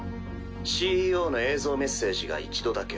ＣＥＯの映像メッセージが一度だけ。